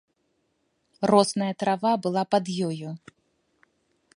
Росная трава была пад ёю.